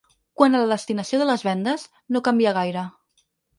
Quant a la destinació de les vendes, no canvia gaire.